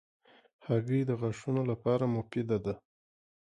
هګۍ د غاښونو لپاره مفیده ده.